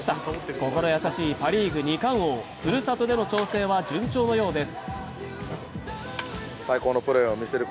心優しいパ・リーグ二冠王、ふるさとでの調整は順調のようです。